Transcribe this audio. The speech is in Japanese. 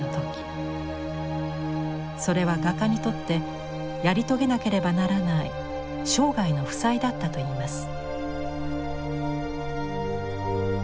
それは画家にとってやり遂げなければならない生涯の負債だったといいます。